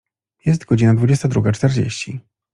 Jest godzina dwudziesta druga czterdzieści.